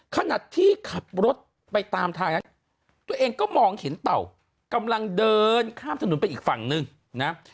ขณะที่ขับรถไปตามทางนั้นตัวเองก็มองเห็นเต่ากำลังเดินข้ามถนนไปอีกฝั่งนึงนะ